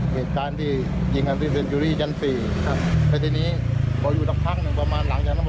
ควานออกมาข้างนอกแต่ก็วิ่งขึ้นข้างบนเลย